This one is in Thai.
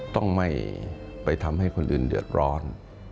ต้องไม่ไปทำให้คนอื่นเดือดร้อน